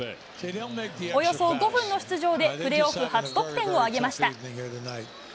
およそ５分の出場で、プレーオフ初得点を挙げました。